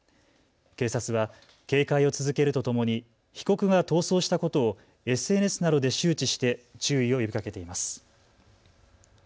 警察は警戒を続けるとともに被告が逃走したことをＳＮＳなどで周知して注意を呼びかけています。